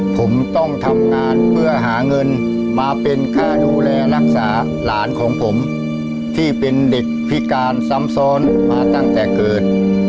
ผมต้องทำงานเพื่อหาเงินมาเป็นค่าดูแลรักษาหลานของผมที่เป็นเด็กพิการซ้ำซ้อนมาตั้งแต่เกิด